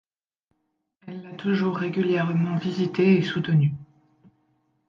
Elle l'a toujours régulièrement visité et soutenu.